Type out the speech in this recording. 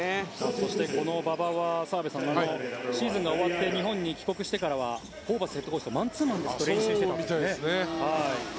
そしてこの馬場は澤部さん、シーズンが終わって日本に帰国してからはホーバスヘッドコーチとマンツーマンで練習していたみたいです。